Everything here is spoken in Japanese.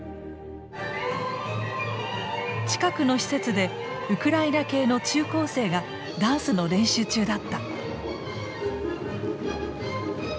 近くの施設でウクライナ系の中高生がダンスの練習中だった。